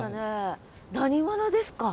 何者ですか？